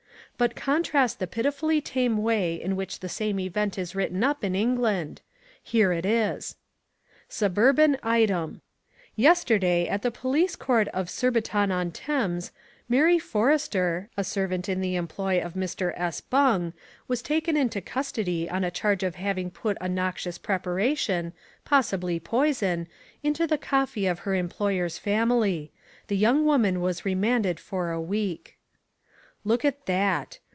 But contrast the pitifully tame way in which the same event is written up in England. Here it is: SUBURBAN ITEM "Yesterday at the police court of Surbiton on Thames Mary Forrester, a servant in the employ of Mr. S. Bung was taken into custody on a charge of having put a noxious preparation, possibly poison, into the coffee of her employer's family. The young woman was remanded for a week." Look at that.